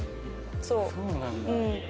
そうなんだ。